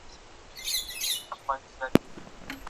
ادئب د خپلو الفاظو له لارې نړۍ بدلوي.